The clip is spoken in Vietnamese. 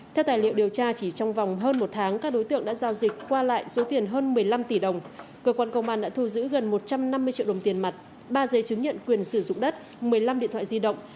theo tài liệu điều tra chỉ trong vòng hơn một tháng các đối tượng đã giao dịch qua lại số tiền hơn một mươi năm tỷ đồng cơ quan công an đã thu giữ gần một trăm năm mươi triệu đồng tiền mặt ba giấy chứng nhận quyền sử dụng đất một mươi năm điện thoại di động